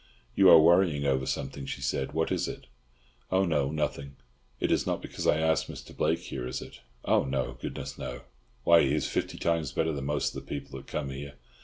"You are worrying over something," she said. "What is it?" "Oh, no; nothing." "It is not because I asked Mr. Blake here, is it?" "Oh no! Goodness, no! Why, he is fifty times better than most of the people that come here.